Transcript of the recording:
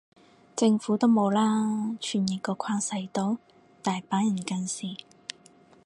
政府都冇啦，傳譯個框細到，大把人近視